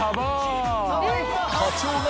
課長が）